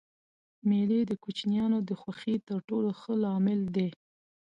مېلې د کوچنيانو د خوښۍ تر ټولو ښه لامل دئ.